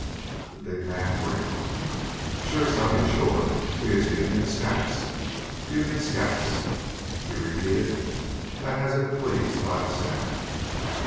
The big man grinned. "Shore, sonny, shore. We is Union ... scouts ... Union scouts." He repeated that as if pleased by the sound.